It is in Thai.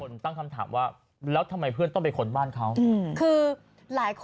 คนตั้งคำถามว่าแล้วทำไมเพื่อนต้องไปขนบ้านเขา